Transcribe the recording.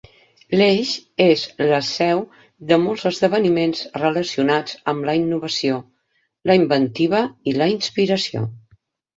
L"eix és la seu de molts esdeveniments relacionats amb la innovació, l"inventiva i la inspiració.